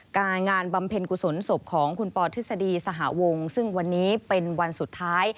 งานบำเพ็ญกุศลศพของคุณปอทฤษฎีสหวงซึ่งวันนี้เป็นวันสุดท้าย